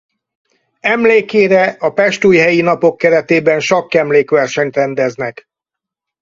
Emlékére a Pestújhelyi Napok keretében sakk emlékversenyt rendeznek.